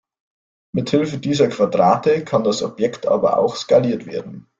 Mit Hilfe dieser Quadrate kann das Objekt aber auch skaliert werden.